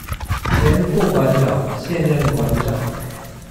前副館長、現任館長